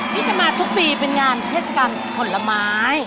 ที่จะมาทุกปีเป็นงานเทศกาลผลไม้